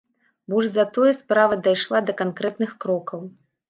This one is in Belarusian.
Больш за тое, справа дайшла да канкрэтных крокаў.